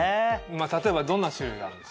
例えばどんな種類があるんですか？